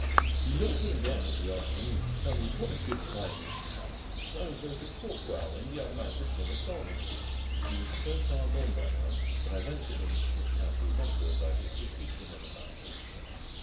He looked in again in the afternoon to tell me what a good time we should have. So and so could talk well, and the other man could sing a song. He was so far gone by now, that I ventured (in the capacity of medical adviser) to speak to him about it.